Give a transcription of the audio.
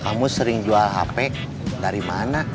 kamu sering jual hp dari mana